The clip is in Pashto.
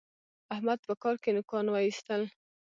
احمد په کار کې نوکان واېستل.